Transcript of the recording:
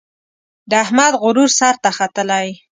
د احمد غرور سر ته ختلی.